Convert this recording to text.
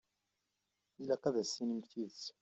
Ilaq ad as-tinimt tidet.